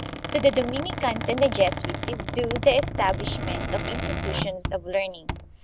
To the Dominicans and the Jesuits is due the establishment of institutions of learning.